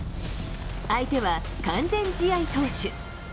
相手は完全試合投手。